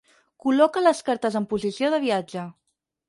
Col·loca les cartes en posició de viatge.